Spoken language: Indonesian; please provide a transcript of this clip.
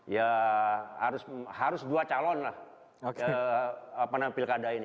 ya harus dua calon lah pilkada ini